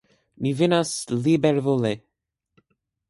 Ni venas libervole.